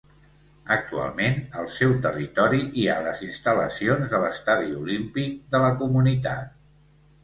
Actualment al seu territori hi ha les instal·lacions de l'Estadi Olímpic de la Comunitat.